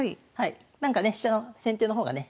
なんかね飛車の先手の方がね